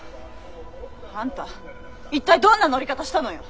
あんた一体どんな乗り方したのよ！